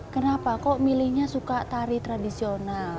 kenapa kok milihnya suka tari tradisional